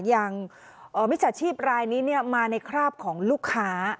มิจฉาชีพรายนี้มาในคราบของลูกค้า